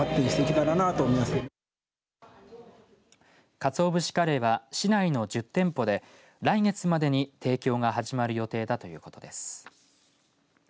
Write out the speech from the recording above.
勝男武士カレーは市内の１０店舗で来月までに提供が始まる予定だということです。